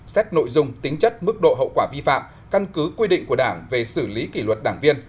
xét nội dung tính chất mức độ hậu quả vi phạm căn cứ quy định của đảng về xử lý kỷ luật đảng viên